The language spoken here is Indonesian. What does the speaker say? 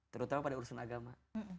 terutama pada urusan agama